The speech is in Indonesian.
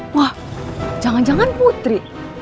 wah jangan jangan putri